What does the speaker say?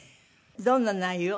どんな内容？